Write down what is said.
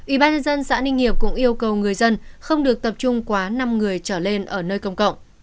ubnd xã ninh hiệp cũng yêu cầu người dân không được tập trung quá năm người trở lên ở nơi công cộng